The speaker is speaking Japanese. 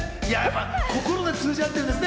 心が通じ合ってるんですね。